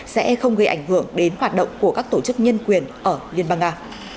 sẽ không gây ảnh hưởng đến hoạt động của các tổ chức nhân quyền ở liên bang nga